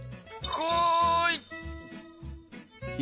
こい！